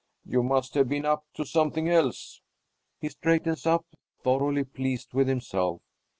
"You must have been up to something else." He straightens up, thoroughly pleased with himself.